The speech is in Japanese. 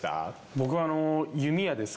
僕は。